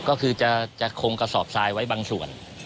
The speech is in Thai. ก็คือจะคงกระสอบทรายไว้บางส่วน